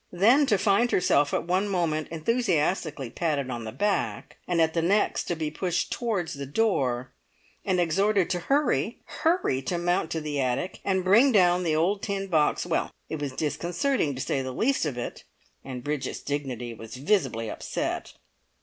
Then to find herself at one moment enthusiastically patted on the back, and at the next to be pushed towards the door, and exhorted to hurry! hurry! to mount to the attic, and bring down the old tin box well, it was disconcerting, to say the least of it, and Bridget's dignity was visibly upset.